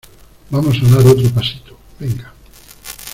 vamos a dar otro pasito, venga.